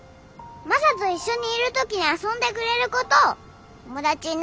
マサと一緒にいる時に遊んでくれる子と友達になる。